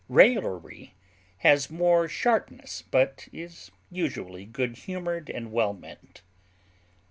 Raillery has more sharpness, but is usually good humored and well meant.